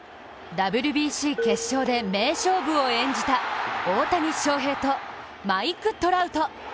ＷＢＣ決勝で名勝負を演じた大谷翔平とマイク・トラウト。